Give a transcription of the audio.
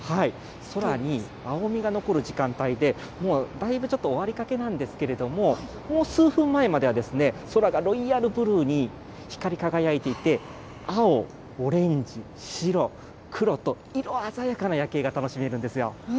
空に青みが残る時間帯で、もうだいぶちょっと終わりかけなんですけども、もう数分前までは、空がロイヤルブルーに光輝いていて、青、オレンジ、白、黒と、色鮮やかな夜景が楽しめるんですよ。